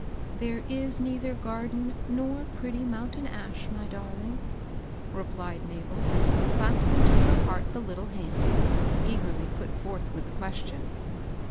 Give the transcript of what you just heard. There is neither garden nor pretty mountain ash, my darling," repUed Mabel, clasping to her heart the little hands, eagerly put forth with the question.